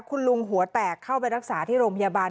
คุณลุงหัวแตกเข้าไปรักษาที่โรงพยาบาล